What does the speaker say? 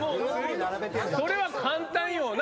それは簡単よな。